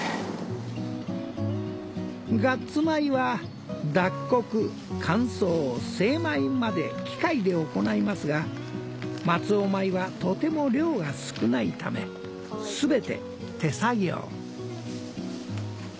ガッツ米は脱穀乾燥精米まで機械で行いますが松尾米はとても量が少ないため全て手作業。